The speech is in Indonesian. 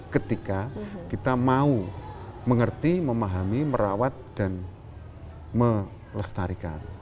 ketika kita mau mengerti memahami merawat dan melestarikan